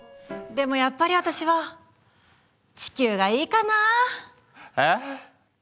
でもやっぱり私は地球がいいかな。え？